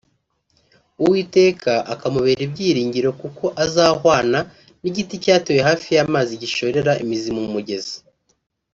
uwiteka akamubera ibyiringiro kuko azahwana n'igiti cyatewe hafi y'amazi gishorera imizi mu mugezi